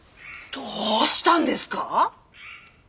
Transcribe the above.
どうしたんですか？